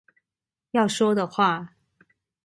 要說的話